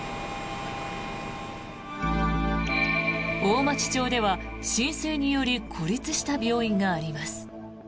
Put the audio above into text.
大町町では浸水により孤立した病院があります。